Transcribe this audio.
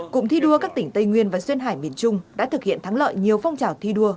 cụm thi đua các tỉnh tây nguyên và duyên hải miền trung đã thực hiện thắng lợi nhiều phong trào thi đua